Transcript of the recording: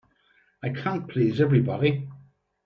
I can't please everybody.